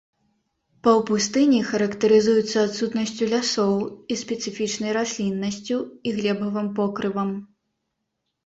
Паўпустыні характарызуюцца адсутнасцю лясоў і спецыфічнай расліннасцю і глебавым покрывам.